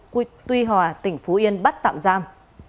quy tuy hòa tỉnh phú yên bắt tạm giam